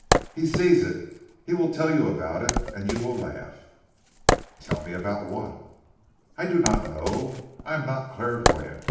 He sees it he will tell you about it, and you will laugh." "Tell me about what?" "I do not know; I am not clairvoyant.